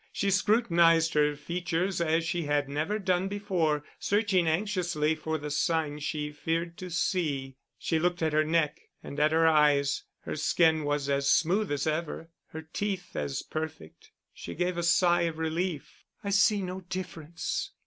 She scrutinised her features as she had never done before, searching anxiously for the signs she feared to see; she looked at her neck and at her eyes: her skin was as smooth as ever, her teeth as perfect. She gave a sigh of relief. "I see no difference."